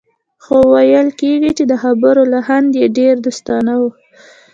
خو ویل کېږي چې د خبرو لحن یې ډېر دوستانه و